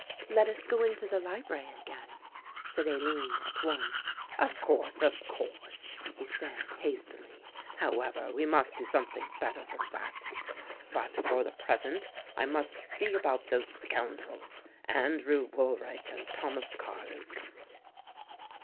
"Let us go into the library again," said Aline at once. "Of course, of course," he said hastily; "however, we must do something better than that; but for the present I must see about those scoundrels, Andrew Woolridge and Thomas Carluke."